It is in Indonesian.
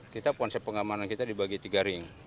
kita konsep pengamanan kita dibagi tiga ring